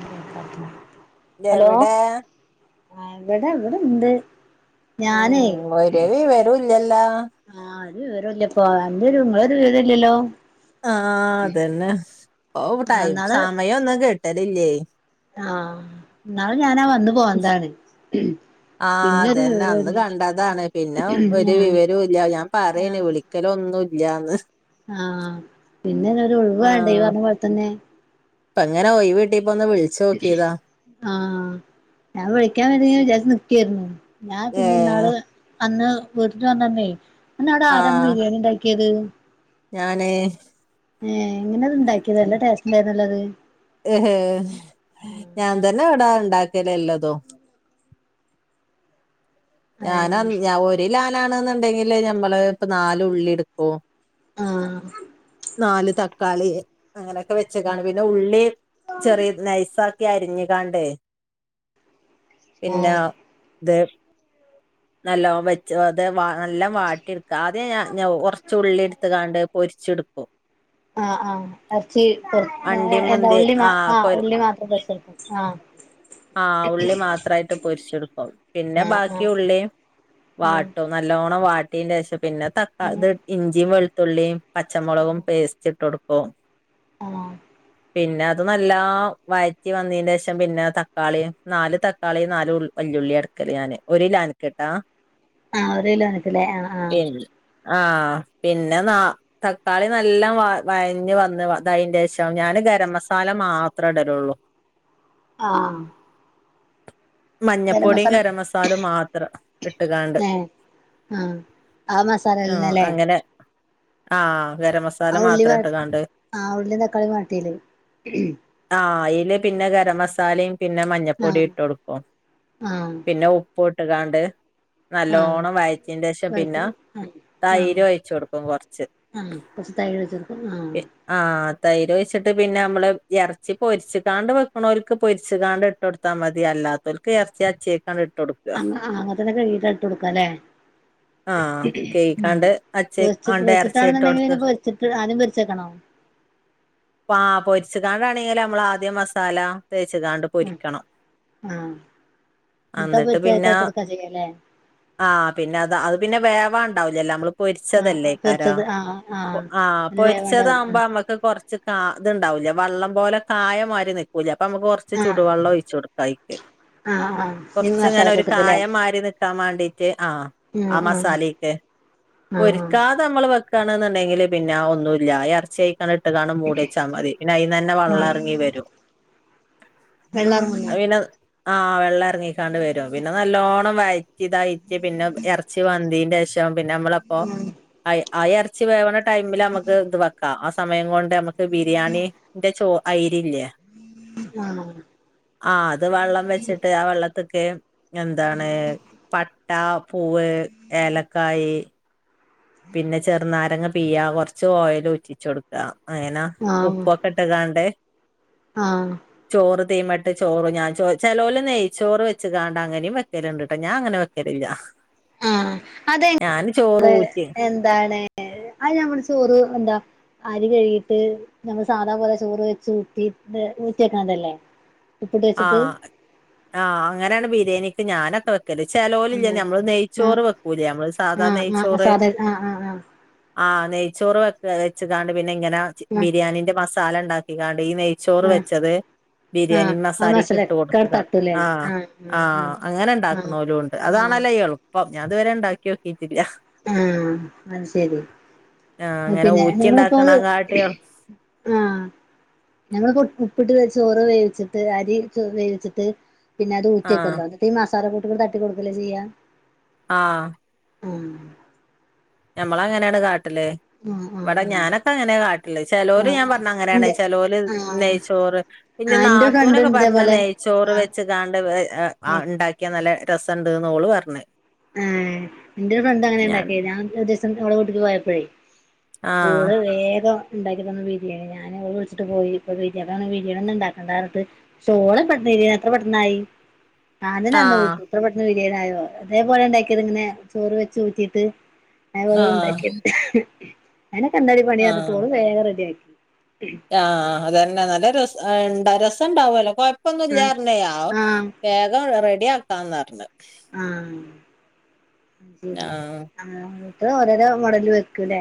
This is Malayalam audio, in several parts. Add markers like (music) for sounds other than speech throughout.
ന്തേക്കാത്തെ. ഹലോ, എവിടെ ആ, വെടെ, വ്ടെണ്ട്. ഉം, വരവി, വരവില്ലല്ല. ആഹ, അ ഒരു, വിവരോംല്ലപ്പൊ, അന്റൊരു, ങ്ങളൊരു, വിവരോല്ലല്ലോ. ആ, അതന്നെ, പൊ, ടൈം, ഇന്നാള് സമയൊന്നും, കിട്ടലില്ലൈ. ന്നാള്, ഞാനാ, വന്ന്, പോന്നതാണ്. ആ, പിന്നൊരു അതന്നെ, അന്ന്, വിവരല്ല കണ്ടതാണ്, പിന്നെ, ഒരു, ആ വിവരോൻല്ല, ഞാൻ, ആ പറയെന്നി, വിളിക്കലൊന്നും ഇല്ലാന്ന് ആ, പിന്നെന്നൊരുഴുവാണ്ടെയ്, ഇയ്യ്, പറഞ്ഞ പോലെത്തന്നെ. പ്പങ്ങനെ ഓയ്‌വിട്ടിയെപ്പോ, ഒന്ന്, വിളിച്ചോക്കിയേതാ. ആ, ഞാൻ, വിളിക്കാൻ, വേണ്ടിങ്ങനെ, വിചാരിച്ച്, നിക്കായിരുന്നു, ഞാൻ, പിന്നെ, ഏഹ് ന്നാള് അന്ന്, വീട്ട് വന്നന്നൈ, അന്നവ്ടെ, ആരാണ്, ബിരിയാണി ണ്ടാക്കിയേത്. ഞാനേ. ഏ, എങ്ങനെത്, ണ്ടാക്കിയേത്, നല്ലെ, ടേസ്റ്റ് ണ്ടായിരുന്നല്ലോ, അത്. ഏഹെ, ഞാൻ തന്നെ, അവിടാ ണ്ടാക്കല്, എല്ലതും, ഞാനന്ന്, ഞ, ഒരിലോ ലാണ്ന്ന്ണ്ടേങ്കില്, നമ്മള്, പ്പൊ, നാലുള്ളിട്ക്കും. ആഹ്. നാല്, തക്കാളി, അങ്ങനൊക്കെവെച്ച്കാണ്ട്, പിന്നെ, ഉള്ളി, ചെറിയ, നൈസാ (unintelligible) അരിഞ്ഞ്കാണ്ട്, ആ ആ പിന്നെഉം, ദെ നല്ലോം, വെച്ച് വത്, വ, നല്ലം, വാട്ടിട്ക്ക, ആദ്യം, ഞ, ഞ, വൊ, വൊറ്ച്ചുള്ളി, ട്ത്ത്കാണ്ട് പൊരിച്ച്ട്ക്കും. ആ, ആഹ്, എർച്ചി, (unintelligible) അണ്ടി എന്താ, മുന്തി ഉള്ളീം, മ, ആ, ഉള്ളി മാത്രം, (unintelligible) ആ ആ, ഉള്ളി മാത്രായിട്ട്, പൊരിച്ചെടുക്കും, പിന്നെ, ആഹ് ആഹ് ബാക്കിയുള്ളീം ആഹ് വാട്ടും, നല്ലോണം വാ ട്ടീനെഷോം, പിന്നെ, തക്കാ, അങ്ങനെ ത്, ഇഞ്ചിയും, വെളുത്തുള്ളീം, പച്ചമൊളകും, പേസ്റ്റിട്ടോട്ക്കു ഓ. ആഹ്. പിന്നെ അത് നല്ലാം വഴറ്റി വന്നീന്റെ ശേഷം പിന്നെ ത കാളീം നാല് തക്കാളീം നാല് ഉൾ വല്ലിയുള്ളിയാട്ക്കൽ ഞാൻ ഒരുലാൻക്ക് ട്ടാ. ആഹ് ഒരു കിലോന്ക്ക്ലേ ആ ആഹ്. ശരി ആഹ് പിന്നെ ന്ന തക്കാളി നല്ലവ വഴഞ്ഞഞ് വന്ന് തയ്യെന്റെഷം അതിന്റെറെ ശേഷം ഞാൻ ഗരം മസാല മാത്രം ഇടലൊള്ളൂ. ആഹ്. ഗരം മഞ്ഞപ്പൊടിം മസാല ഗരമസാലും മാത്രം ഇട്ട്കാണ്ട്. ഏഹ് ആഹ് ആ മസാലന്നെലേ? ആ. ഗരംമസാല മാത്രട്ട് കാണ്ട് ആഹ് ഉള്ളീം തക്കാളീം വാട്ടിയത് ആ ഈ ൽ പിന്നെ ഗരം മസാലിം പിന്നെ മഞ്ഞപ്പൊടിം ആഹ് ഇട്ട് കൊടുക്കും ആഹ് പിന്നെ ഉ പ്പ് ഇട്ട്കാണ്ട്. ആഹ് നല്ലോണ്ണം വഴച്ചിന്റെ ശേഷം വഴറ്റി പിന്നെ ആഹ് തൈര് ഒഴിച്ചു കൊടുക്കും കൊറച്ച്. ആഹ കൊറച്ച് തൈ വെച്ചടുക്കും ആഹ. ആഹ് തൈര് വെച്ചിട്ട് പിന്നെ നമ്മള് എറച്ചി പൊരിച്ച്കാണ്ട് വെക്ക്ണോൽക്ക് പൊരി ച്ച്കാണ്ട് ഇട്ട്ടുത്തൽ മതി അല്ലാതോൽക്ക് എറച്ചി അച്ചിയെക്കാണ്ട് ഇട്ട് കൊടുക്കുക അങ്ങഅ അങ്ങനത്തനൊക്കെ കൈക്കീട്ട് ഇട്ട് കൊടുക്കാല്ലേ. ആഹ് ഉം കഴുകിക്കാണ്ട് അച്ചേ പൊ ആണ്ട് ഇറച്ചി ഇട്ട് പൊറച്ചിട്ടാണെന്നുണ്ടെങ്കിൽ കൊടുത്ത് പിന്നെ പൊരിച്ചിട്ട് ആദ്യം പൊരിച്ച് വെക്കണോ? ആ പൊരിച്ച് കാണ്ടാണെങ്കിൽ നമ്മൾ ആദ്യം മസാലതെ ചെറുതാണ്ട് ഉം പൊരിക്കണം. ആഹ് എന്നിട്ടാ അന്നിട്ട് പൊരിച്ചതൊക്കെ പിന്നെ ഇട്ട് കൊടുക്കാ ചെയ്യല്ലേ ആ പിന്നെ അത് അത് പിന്നെ വേ മണം ഒണ്ടാവില്ലല്ലോ നമ്മള് ആഹ് പൊരിച്ചതല്ലേതരാ പൊരിച്ചത് ആഹ് പോ ആഹ് അത് വേവണ്ടാവില്ല പൊരിച്ചതാകുമ്പോ നമ്മക്ക് കുറ ച്ച് ഇത്ണ്ടാവൂല്ലേ വള്ളം പോലെ കായ മാതിരി നിക്കൂലെ അപ്പ നമ്മക്ക്- ഇച്ചി ആഹ് ചൂടുവെള്ളം ഒഴിച്ചു കൊടുക്കായിക്ക്. ആഹ് ആഹ് ആഹ് ഈ കൊറച്ചിങ്ങനെ മസാല ഒരു കൂട്ടത്തില്ലേ കായം മാതിരി നിക്കാൻ വേണ്ടീട്ട് ആഹ് മസാലയിട്ട് പൊരിക്കാതെ ആഹ് നമ്മള് വെക്ക് ണാന്നുണ്ടെങ്കിൽ പിന്നെ ഒന്നുമില്ല എർച്ചി ആ ആത് ഇട്ട് കാണ്ട് മൂടിവെച്ചാമതി പിന്നെ അതിന്ന്തന്നെ വെള്ളം എറങ്ങി വരും. വെള്ളം എറങ്ങുംയല്ലേ അത് പിന്നെ ആഹ് വെള്ളം എർങ്ങിക്കാണ്ട് വെരും പിന്നെ നല്ലോണം വഴ്റ്റി ഇതായിറ്റ് പിന്നെ എർച്ചി വെന്തിന്റെഷം പിന്നെ അമ്മെൾ അപ്പോ ആയ് ആ എർച്ചി വേവണ ടൈമിൽ അമ്മെക്ക് ഇത് വെക്കാം ആ സ സമയം കൊണ്ട് ഞമ്മെക്ക് ബിരിയാണി ന്റെ ചോ ആയ്രി ഇല്ലെ. ആഹ് ആഹ് അത് വള്ളം വെച്ച്ട്ട് ആ വള്ളത്ത്ക്ക് എന്താണ് പ ട്ട, പൂവ്, ഏലക്കായ്. പിന്നെ ചെറ് നാരങ്ങ പിയ്യാ കൊർച്ച് ഓയലും ഉറ്റിച്ച് കൊട്ക്കാ. അയെനാ ആഹ് ഉപ്പൊക്കെ ഇട്ട്ക്കാട്ട്. ആഹ് തീമെട്ട് ചോറ് ഞാ ചോ ചെലോൽ നെയ്‌ച്ചോർ വെച്ച്കാണ്ട് അങ്ങനിം വെക്കെൽ ഇണ്ട്ട്ടോ ഞാ അങ്ങനെ വെക്കെൽ ഇല്ല. ആഹ് അതെ ഞാന് ചോറ് ഊ എന്താണ് അയ് ഞമ്മെളെ ചോറ് എന്താ. അരി കെഴ്ക്കീട്ട് നമ്മെൾ സാധാ പോലെ ചോറ് വെച്ച് ഊറ്റി ട്ട് ഊറ്റി വെക്ക്ണെത് അല്ലെ? ആഹ് ആഹ് അങ്ങനെയാണ് ബിരിയെണിക്ക് ഞാനൊക്കെ വെ ക്കെൽ ചെലോൽ ഇല്ലെ ആഹ് ഞമ്മെൾ ആഹ് നെയ്ച്ചോറ് വെക്കൂലെ ഞമ്മെൾ സാധാ ആഹ് ആഹ് നെയ്ച്ചോറ്. സാധാ ആഹ് ആഹ് ആഹ് ആഹ് നെയ്ച്ചോറ് വെക്കാ വെച്ച്ക്കാണ്ട് പിന്നെ ഇങ്ങനെ ചി ആഹ് ബിരിയാണീന്റെ മസാല ഇണ്ടാക്കിക്കാണ്ട്. പ്പ ഈ നെയ്ച്ചോറ് ആഹ് വെച്ചെത് ബിരിയെണി ആഹ് മാസ ആ സാലിക്ക് ഇട്ട് മസാലൊക്കെ കൊട്ക്ക്ക തട്ടൂലേ ആഹ് ആഹ് അങ്ങനെ ഇണ്ടാക്ക്ണോലും ഇണ്ട് ആഹ് ആഹ് അതാണല്ലോ എൾപ്പം. ഞാ ഇത് വെരെ ഇണ്ടാക്കിയോക്കി ആഹ് അത് ശെരി. ആഹ് അങ്ങനെ പിന്നെ ഊറ്റി നിങ്ങളിപ്പോ അത് ഉണ്ടാക്കണകാട്ടി ആഹ ഞങ്ങളിപ്പോ ഉപ്പിട്ട് ചോറ് വേവിട്ട് അരി വേിച്ചിട്ട് പിന്നെ അത് ആഹ് ഊറ്റിയക്കെല്ലോ അത് (unintelligible) തട്ടി കൊടുക്കല്ലേ ചെയ്യ ആഹ് ആ ഞമ്മള അങ്ങനെയാണ് കാട്ടല് ആഹ് ഇവിടെ ആഹ് ഞാനൊക്കെ അങ്ങനെ കാട്ടില്ല ചലോല് ആഹ് ഞാൻ ആഹ് പറഞ്ഞ അങ്ങനെയാണ് ഇന്റെ ചലോല് ആഹ് നെയ്ച്ചോറ് പിന്നെ ആഹ് എന്റെ നാത്തൂനൊക്കെ ഫ്രണ്ട്ണ്ട് പറഞ്ഞ ഇതേപോലെ നെയ്ച്ചോറ് ആഹ് വെച്ച്കാണ്ട് ആ ആ ആഹ് ഉണ്ടാക്കിയാ നല്ല രസ ഉണ്ടാ ഓള് പറഞ്ഞേ ആ എന്റെ ഒരു ഫ്രണ്ട് അങ്ങനെ ഉണ്ടാക്കി ഞാൻ ഒരു ദിവസം ഓളെ വിട്ടിക്ക് പോയപ്പോഴേ ആഹ് കൂടെ വേഗം ഉണ്ടാക്കി തന്ന ബിരിയാണി ഞാന് അവള്‍ വിളിച്ചിട്ടും പോയില്ല അത് ആന്ന് ബിരിയാണി ഉണ്ടാക്കട പറഞ്ഞിട്ട് (unintelligible) എത്ര പെട്ടെന്നായി (inaudible) അത് അന്തോ കട്ടി ആഹ് ഇത്ര പെട്ടെന്ന് ബിരിയാണായി അതേപോലെ ഉണ്ടാക്കിയത് ഇങ്ങനെ ചോറ് വെച്ച് ഊറ്റീട്ട് (unintelligible) ആഹ് ഉണ്ടാക്കിയത് അങ്ങനെ (unintelligible) പണി വേഗം റെഡിയ ആക്കി ആഹ അതന്നെ നല്ല ര രസം ഉണ്ടാവല്ലോ അപ്പൊന്നും ആഹ് ഇല്ലെന്ന് പറഞ്ഞ് ആഹ് വേഗം റെഡി ആക്കാന്ന് പറഞ്ഞ അ ശരി ആഹ് എന്നിട്ട് ഓരോരോ മോഡല് വെക്കുംല്ലേ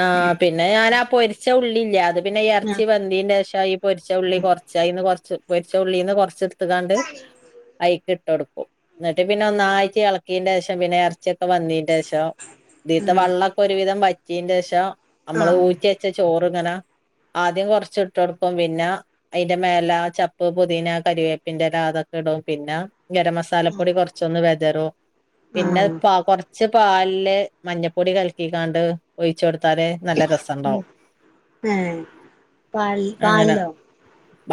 ആഹ പിന്നെ ഞാനാ പൊരിച്ച ഉള്ളില്ല അത് പിന്നെ ഇറച്ചി ആഹ് വെധൃന്റെ ശേഷം ഈ പൊരിച്ച ഉള്ളി കുറച്ചായിന്ന് കൊറച്ച് പൊച്ച ഉള്ളീന്ന് കൊറച്ച് അയിക്ക് ഇട്ട കൊടുക്കും എന്നിട്ട് പിന്നെ നന്നായിട്ട് ഇളക്കും വെധേന്റെ ശേഷം പിന്നെ ഇറച്ചിയൊക്കെ വന്നീന്റെ ശേഷം ഇദേത്തെ ആഹ് വെള്ളൊക്കെ ഒരുവിധം വച്ചീന്റെ ശേഷം നമ്മള് ആഹ് ഊറ്റെച്ച ചോറ്ങ്ങനാ ആദ്യം കുറച്ച ഇട്ട് കൊടുക്കും പിന്നെ അതിന്റെ മേല ചപ്പ് പുദീന കറിവേപ്പിന്റെ ഇല ഇടും പിന്നെ ഗരം മസാലപ്പൊടി കുറച്ചൊന്ന് വിതറും പിന്നെ ആഹ് കുറച്ച് പാലില് മഞ്ഞൾപ്പൊടി കലക്കിക്കാണ്ട് ഒഴിച്ചുടുത്ത് എത്താ നല്ല രസുണ്ടാവും ഏഹ് പാൽ അങ്ങനെ പാലിലോ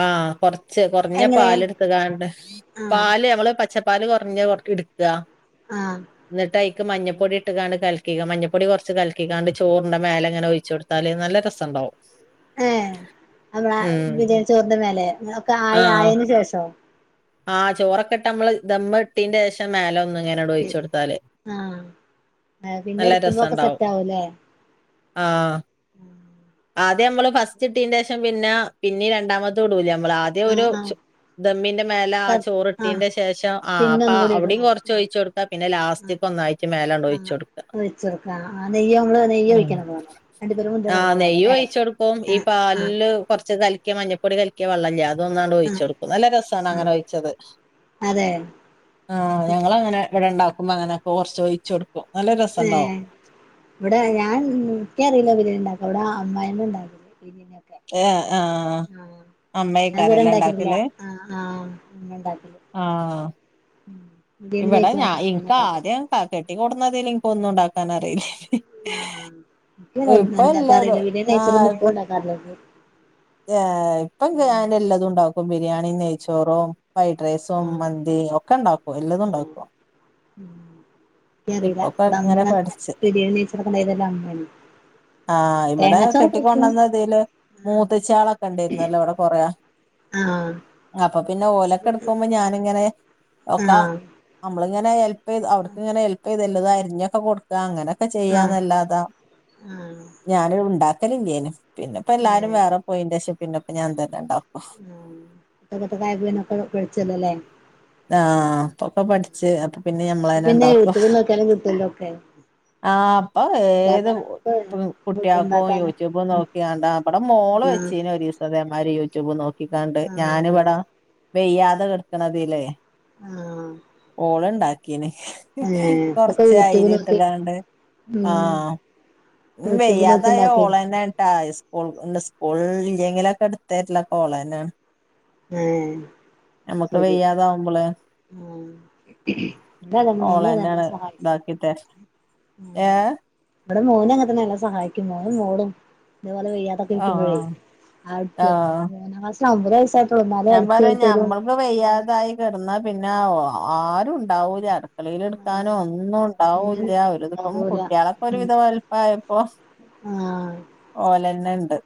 ആഹ് കൊറച്ച് കുറഞ്ഞ എങ്ങനെ പാല് എടുത്തുകണ്ട് ആഹ് പാല് ഞമ്മള് പച്ച പാല് പ്പ്ൽ കുറഞ്ഞ എടുക്ക ആഹ് എന്നിട്ട് ആയ് മഞ്ഞപ്പൊടി ഇട്ടുകണ്ട് കലക്കേ മഞ്ഞപ്പൊടി കുറച്ച് കലക്കേ ചോറിന്റെ മേലെങ്ങനെ ഒഴിച്ചു കൊടുത്താല് നല്ല രസമുണ്ടാവും ഏ നമ്മള ബിരിയാണി ചോറിന്റെ മേലെ ഒക്കെ ആയി ആയതിന് ശേഷം ആഹ ചോറൊക്കെ ഇട്ട് നമ്മള് ദമ്മട്ടീന്റെ ശേഷം മേല ഒന്ന് അങ്ങനെട് ഒഴിച്ച കൊടുത്താല് ആഹ് പിന്നെ നല്ല എടുക്കുമ്പോക്കെ രസുണ്ടാവും സെറ്റ് ആവൂല്ലേ ആഹ് ആദ്യം നമ്മള് ഫസ്റ്റ് കിട്ടീന്റെ ശേഷം പിന്നെ പിന്നീ രണ്ടാമത്ത ഇടൂലേ നമ്മൾ ആദ്യം ഒരു ആഹ് ദമ്മിന്റെ മേലെ ആ ആഹ് ചോറി ആഹ് ഇട്ടീന്റെ ശേഷം ആ് പിന്നെ അപ്പ ഒന്നും അവിടയും കുറച്ച് ഒഴിച്ചു കൊടുക്ക പിന്നെ ലാസ്റ്റ് ആ വെച്ച കൊടുക്ക ആ നെയ്യോ നമ്മള് നെയ്യോ ഒഴിക്കണ മുമ്പോ അണ്ടിപ്പരിപ്പും ആ മുന്തിരിങ്ങും (unintelligible) നെയ്യ് കഴിച്ചോടുപ്പം ഈ പാലില് കുറച്ച് കലിക്ക മഞ്ഞൾപ്പൊടി കലിക്കിയ വെള്ളംഇല്ലേ അതൊന്നാണ്ട് ഒഴിച്ച ആഹ് കൊടുക്കും നല്ല രസമാണ് അങ്ങനെ ആഹ് ഒഴിച്ചത് അതെ ആഹ ഞങ്ങള്‍ അങ്ങനെ ഇവിടെ ഉണ്ടാക്കുമ്പോ അങ്ങനെ കൊറച്ച് ഒഴിച്ചു കൊടുക്കും നല്ല ഏ രസണ്ടാവും ഇവിടെ ഞാൻ എനിക്ക് അറിയില്ല ഇങനെ ഉണ്ടാക്കൻ ഇവിടെ അമ്മായിഅമ്മ ഉണ്ടാക്കും ഏ ആ (unintelligible) ആഹ് ഞാന്‍ ഇതുവരെ അമ്മേക്കാരല്ലേ ഇണ്ടായിട്ടില്ല ഉണ്ടാക്കല് ആ ആഹ് (unintelligible) ഇണ്ടാക്കില്ല ആഹ് ഉ (unintelligible) കൂടുതലൊന്നും ഇൊ ഒന്നും ഉണ്ടാക്കാ അറിയില്ലേ ആഹ എന്താ കറ എല്ലാതും വിനച്ചപ്പണ്ട കറ ഇപ്പം ഞാന്‍ എല്ലതും ഉണ്ടാക്കും ബിരിയാണി നെയ്ച്ചോറും ഫ്രൈഡ് റൈസും ആഹ് മന്തിയും ഒക്കെ ഉണ്ടാക്കുവോ എല്ലാതും ഉണ്ടാക്കോ ഉം ഇക്ക് അറീലാ ഇബെടെ ഇങ്ങനെ അമ്മെണ് അങ്ങെനെ പഠിച്ച് ബിരിയാണി നെയ്ച്ചോറ് ഒക്കെ ഇണ്ടാക്കി തെര്ൽ അമ്മെയാണെയ് ആഹ് ഇബെടെ കെട്ടിക്കൊണ്ടെന്ന ഇതിൽ മൂത്തെച്ചാൾ ഒക്കെ ഇണ്ടായിര്ന്നെല്ലോ ഇവെടെ കൊറെ ആഹ് അപ്പ പിന്നെ ഓലൊക്കെ ആഹ് ഇട്ക്കുമ്പോ ഞാൻ ഇങ്ങെനെ ഒക്കെ ആഹ് അമ്മെൾ ഇങ്ങെനെ ഹെൽപ്പ് ചെയ്ത് അയുട്ക്ക് ഇങ്ങെനെ ഹെൽപ്പെയ്ത് എല്ലതും അര്ഞ്ഞൊക്കെ കൊട്ക്കാ അങ്ങനെ ക്കെ ചെയ്യാന്ന് ആഹ് അല്ലാതെ ഞാൻ ഇണ്ടാക്കെൽ ഇല്ലെയ്നു പിന്നെ ഇപ്പ എല്ലാരും ഏഹ് വേറെ ദേശപ്പിന്റെ ഒപ്പം ഞാൻ തന്നെ ഉണ്ടാവും. ആഹ് (unintelligible) വെളിച്ചം ഇല്ലല്ലേ ആഹ് ഇപ്പൊപ്പ പഠിച്ചു അപ്പൊ പിന്നെ ഞമ്മളനെ പിന്നെ ഇണ്ടാക്കോ. യൂട്യൂബിൽ നോക്കിയാലും കിട്ടല്ലോ ഒക്കെ ആ ഇപ്പൊ ഏത് ഇണ്ടാക്കാനൊക്കെ ഫുഡ് കുട്ടിയാക്കും ഇണ്ടാക്കാനും യൂട്യൂബും നോക്കിയാണ്ട ഇവിടെ മോ ള് ആഹ് വെച്ചിനെ ഒരിസം ഇതേമാതിരി യൂ യൂട്യൂബ് നോക്കിക്കാണ്ട് ആഹ് ഞാനിവിടെ വെയ്യാതെ കെടുക്കണതില് ആഹ് ഓള് ഇണ്ടാക്കിനി ഏഹ് ഒക്കെ കൊറച്ച് യൂട്യൂബ് അയ്രി നോക്കി ഇട്ടടാണ്ട് ഉം ആഹ് ഇഞ് യൂട്യൂബ് നോക്കി വെയ്യാതായ ഇണ്ടാക്കി ഒളെന്നെട്ടെ ഓൾ സ്കൂൾ ഇല്ലെങ്കിലൊക്കെ എടുത്തരില്ല ഓള് തന്നെയാ. ഏഹ് അയ് ശരി. വെയ്യാതാവുമ്പള് ആഹ് ഇത് അതനെ മേൻ സഹായിക്കും. ഉം ഏഹ് ഇവിടെ മോനെ അങ്ങന തന്നെ എല്ലാം സഹായിക്കും മോനും, മോളും. ഇതേപോലെ വെയ്യാത്തൊക്കെ ഇരിക്കുമ്പോഴേ ആഹ് ആഹ് മൂന്നാം ക്ലാസിൽ ഒമ്പത് വയസായിട്ട് ഞാൻ പറയാ ഞമ്മക്ക് വയ്യാതായി കിടന്നാ പിന്നെ ആരും ഉണ്ടാവൂല വെളിയില് എടുക്കാനോ ആഹ് ഒന്നും ഒന്നിനും ഉണ്ടാവൂല്ല ഒരു ദപ്പം ഉണ്ടാവൂല കുട്ടികളൊക്കെ ഒരു ഉം വിധം വലുപ്പമായപ്പോ. ആഹ് ഓലന്നെണ്ട്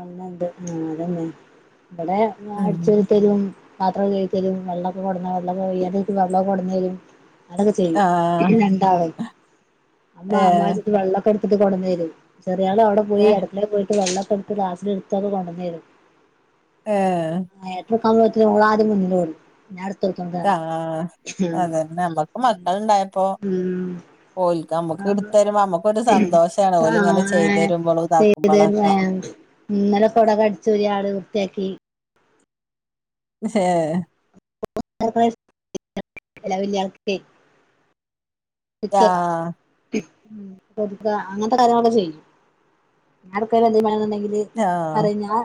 ആന്നണ്ട് ആ അതന്നെ ഇവിടെ മോൻ ഉം അടിച്ചു വാരി തരും. പാത്രം കഴുകിത്തരും വെള്ളമൊക്കെ കൊടന്ന് വെള്ള (unintelligible) വെള്ളം കൊടന്ന് തരും. അതൊക്കെ ചെയ്യും ആഹ് രണ്ടാളും അമ്മ ഏഹ് അമ്മച്ചിക്ക് വെള്ളമൊക്കെ എടു കൊണ്ടെന്ന് തരും ചെറിയള് അവിടെ പോയി ഏഹ് അടുക്കള പോയിട്ട് വെള്ളയോക്കെ എടുത്ത് ക്ലാസില് എടുത്തൊക്ക കൊണ്ടന്നുത്തരും. ഏഹ് സമയത്തിന് അവൾ ആദ്യം മുന്നിലോടും. ആഹ് (unintelligible) ഉം അതന്നെ നമ്മക്ക് മക്കളുണ്ടായപ്പോ ഉം (unintelligible) ഓൽക്ക് നമ്മുക്ക് ആഹ് എടുത്തരുമ്പോ നമ്മുക്കൊരു ആഹ് സന്തോഷാണ് അതാരാ ഓലിങ്ങനെ ചെയ്ത് തരുമ്പോളും ചെയ്തു തരുന്നേ. ഇതാക്കുമ്പോളൊക്കെ ഇന്നലെ കുട കടിച്ചൂരി ആട് വൃത്തിയാക്കി. ഏഹ് (unintelligible) ആഹ് (unintelligible) അങ്ങനത്തെ കാര്യങ്ങളൊ ചെയ്യും ഞാൻ അടുക്കളയിൽ എന്തേലും പണിയുണ്ടെങ്കിൽ. ങ്കിലും ആഹ് പറയും ഞാൻ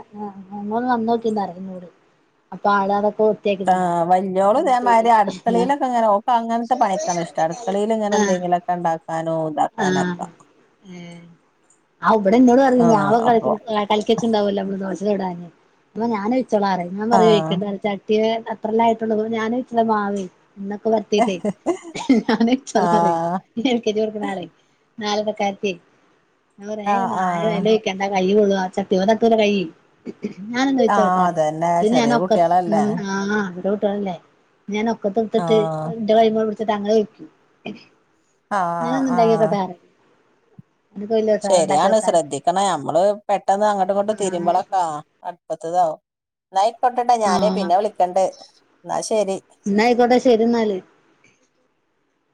അങ്ങോട്ട് വന്നു നോക്കി എന്ന് പറഞ്ഞു അപ്പൊ അവള്. ആ വല്യോള് ഇതെമാതിരി അടുക്കളിയിലൊക്കെങ്ങനെ ഓക്ക് അങ്ങനത്തെ പണിക്ക ഇഷ്ടാണ് അടുക്കളല്. അങ്ങനെ ആഹ് ആഹ് എന്തെങ്കിലെക്കെ ഉണ്ടാക്കാനോ. ആഹ് ഇതാക്കാനൊക്കെ ഏഹ് ആഹ് ഇവിടെ എന്നോട് പറയുന്ന ഞാൻ ആഹ് പോയി അപ്പൊ കളിച്ചിട്ട (unintelligible) ഉണ്ടാവുകയിലോ. നമ്മള്. (unintelligible) അമ്മ ഞാൻ ഒഴിച്ചോളാം എന്നുപറയും ഞാൻ പറയും ആഹ് ഒഴിക്കണ്ട എന്നിട്ട്. ഇവൻ എത്രയിലായിട്ടുണ്ടെന്ന് ഞാൻ ഒഴിക്കുന്ന മാവേ. വെള്ളമൊക്കെ വറ്റിയിട്ട് ഞാൻ ഒഴിച്ചോളാം എന്ന് പറയും ആഹ് ഇടക്കൊക്കെ. ഒരാളെ (unintelligible) ഞാൻ പറയൂവേ ആഹ് താനെ ആഹ് എണ്ണ ഒഴിക്കേണ്ട കൈ പൊള്ളുന്നു. ആ ചട്ടിയോടൊക്കെ കരിയും. ഞാൻ എണ്ണ ആഹ് ഒഴിച്ചോട്ടെ എന്ന് അതന്നെ എന്നിട്ട് ഞാൻ ചെറിയ ഒക്കത്ത് കുട്ടികളല്ലേ ഉം ആഹ് ഇവളെ. ഇട്ടേണ്ടേ ഞാൻ പൊക്കത്ത് നിർത്തിയിട്ട് ആഹ് എന്റെ കയ്യുമേ പിടിച്ചിട്ട് അങ്ങനെ ഒഴിക്കും. ആഹ് ഞാനെന്ന് ആഹ് ഉണ്ടാക്കിക്കോട്ടെ. ശരിയാണ് ശ്രദ്ധിക്കണം നമ്മള് പെട്ടെന്ന് അങ്ങോട്ടും ഇങ്ങോട്ട് ആഹ് തിരുമ്പളാക്കാ അടുപ്പത്ത്. ത്തതാവും എന്നായിക്കൊട്ടേ ഞാനേ ആഹ് പിന്നെ വിളിക്കണ്ടേ എന്നാ ശരി. ഇരുന്നല്